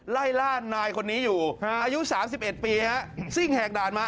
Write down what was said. ไล่ล่านายคนนี้อยู่อายุ๓๑ปีฮะซิ่งแหกด่านมา